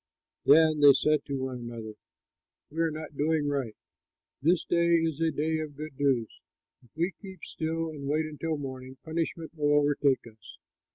Then they said to one another, "We are not doing right; this day is a day of good news. If we keep still and wait until morning punishment will overtake us.